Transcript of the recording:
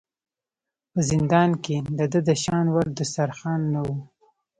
په زندان کې د ده د شان وړ دسترخوان نه و.